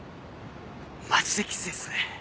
マジでキツいっすね。